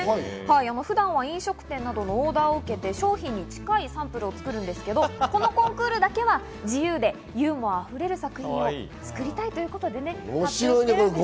普段は飲食店などのオーダーを受けて商品に近いサンプルを作るんですが、このコンクールだけは自由でユーモア溢れる作品を作りたいということで発表しているんです。